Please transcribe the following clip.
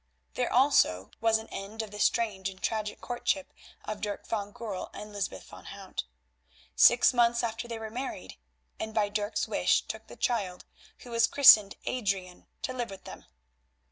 There also was an end of the strange and tragic courtship of Dirk van Goorl and Lysbeth van Hout. Six months afterwards they were married, and by Dirk's wish took the child, who was christened Adrian, to live with them.